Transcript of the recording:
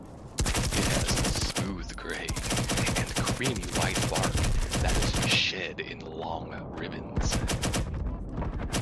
It has smooth grey and creamy white bark that is shed in long ribbons.